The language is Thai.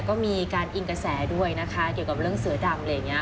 ก็มีการอิงกระแสด้วยนะคะเกี่ยวกับเรื่องเสือดำอะไรอย่างนี้